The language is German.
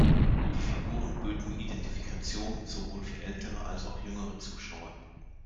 Die Figuren böten Identifikation sowohl für ältere als auch jüngere Zuschauer.